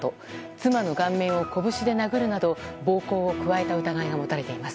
妻の顔面をこぶしで殴るなど暴行を加えた疑いが持たれています。